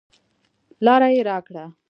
لاره یې راکړه.